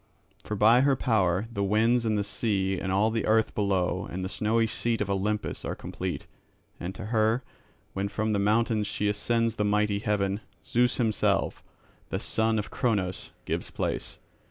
For by her power the winds and the sea and all the earth below and the snowy seat of Olympus are complete; and to her, when from the mountains she ascends the mighty heaven, Zeus himself, the son of Cronos, gives place.